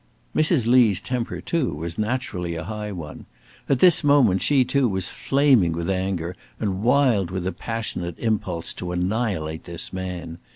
Mrs. Lee's temper, too, was naturally a high one. At this moment she, too, was flaming with anger, and wild with a passionate impulse to annihilate this man.